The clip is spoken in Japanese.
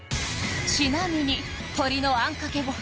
ちなみに鶏のあんかけご飯